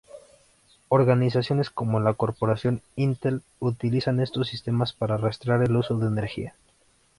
Organizaciones como la corporación Intel utilizan estos sistemas para rastrear el uso de energía.